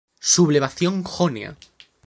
Sublevación jonia.